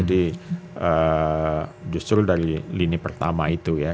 jadi justru dari lini pertama itu ya